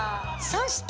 そして！